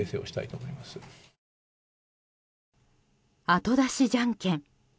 後出しじゃんけん。